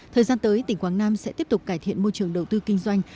thời gian tới tỉnh quảng nam sẽ tiếp tục cải thiện môi trường đầu tư kinh doanh